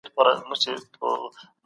کله چي لمر ډوب سو، موږ کور ته ستانه سولو.